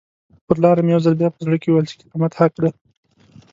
پر لاره مې یو ځل بیا په زړه کې وویل چې کرامت حق دی.